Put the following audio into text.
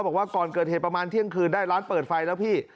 บอกว่าก่อนเกิดเหตุประมาณเที่ยงคืนได้ร้านเปิดไฟแล้วพี่